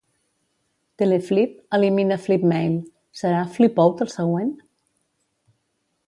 Teleflip elimina Flipmail. Serà Flipout el següent?